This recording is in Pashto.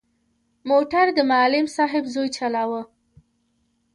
موټر د معلم صاحب زوی چلاوه.